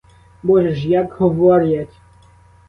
Боже ж, як говорять!